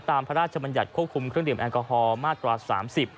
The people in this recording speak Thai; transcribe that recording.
พระราชบัญญัติควบคุมเครื่องดื่มแอลกอฮอล์มาตรา๓๐